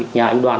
nhà anh đoàn